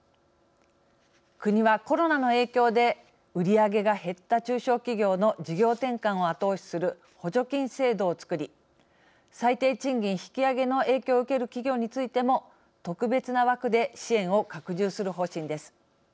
国は、コロナの影響で売り上げが減った中小企業の事業転換を後押しする補助金制度をつくり最低賃金引き上げの影響を受ける企業についても特別な枠で支援を拡充する方針です。